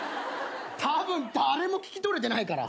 たぶん誰も聞き取れてないから。